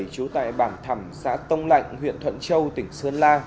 trú tại bản thẳm xã tông lạnh huyện thuận châu tỉnh sơn la